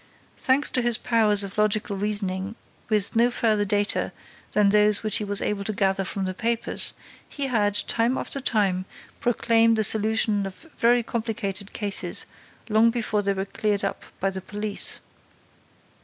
Thanks to his powers of logical reasoning, with no further data than those which he was able to gather from the papers, he had, time after time, proclaimed the solution of very complicated cases long before they were cleared up by the police.